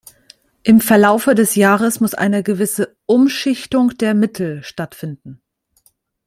Im Verlaufe des Jahres muss eine gewisse Umschichtung der Mittel stattfinden.